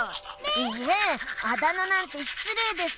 いえあだ名なんてしつれいです。